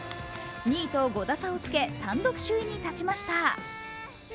２位と５打差をつけ単独首位に立ちました。